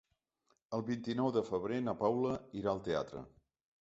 El vint-i-nou de febrer na Paula irà al teatre.